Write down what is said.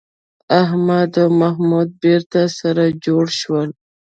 احمد او محمود بېرته سره جوړ شول.